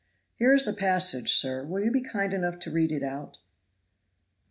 Here is the passage, sir; will you be kind enough to read it out?"